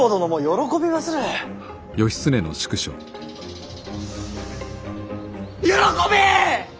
喜べ！